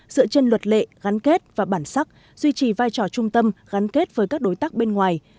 dựa trên luật lệ gắn kết và bản sắc duy trì vai trò trung tâm gắn kết với các đối tác bên ngoài